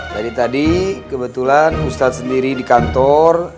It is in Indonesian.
dari tadi kebetulan ustadz sendiri di kantor